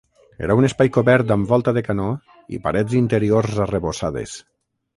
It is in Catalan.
Era un espai cobert amb volta de canó i parets interiors arrebossades.